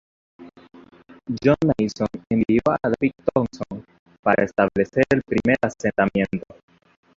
John Mason envió a David Thompson para establecer el primer asentamiento.